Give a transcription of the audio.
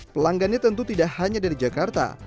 pelanggannya tentu tidak hanya dari jakarta